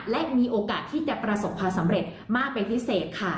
และมีโอกาสที่จะประสบความสำเร็จมากเป็นพิเศษค่ะ